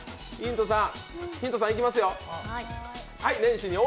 ヒント３いきますよ。